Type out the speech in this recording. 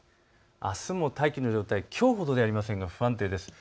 あすも大気の状態、きょうほどではありませんが不安定です。